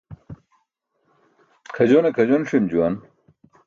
Kʰajone kʰajon ṣi̇m juwan.